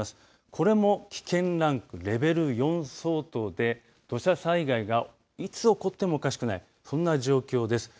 これも危険ランクレベル４相当で土砂災害がいつ起こってもおかしくないそんな状況です。